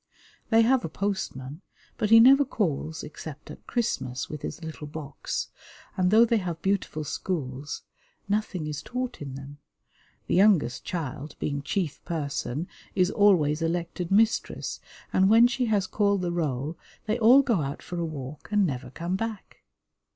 They have a postman, but he never calls except at Christmas with his little box, and though they have beautiful schools, nothing is taught in them; the youngest child being chief person is always elected mistress, and when she has called the roll, they all go out for a walk and never come back.